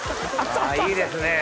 あいいですね。